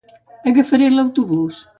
Agafaré l'autobús.